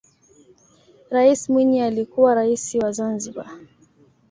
rais mwinyi alikuwa raisi wa zanzibar